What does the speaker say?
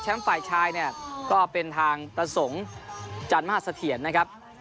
แชมป์ฝ่ายชายเนี่ยก็เป็นทางตะสงจันทร์มหาศเทียนนะครับ